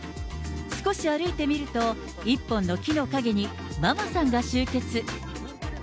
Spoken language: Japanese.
少し歩いてみると、一本の木の陰にママさんが集結。